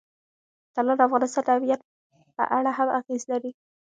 طلا د افغانستان د امنیت په اړه هم اغېز لري.